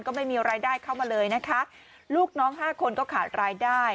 ก็ไม่มีรายได้เข้ามาเลยนะคะลูกน้องห้าคนก็ขาดรายได้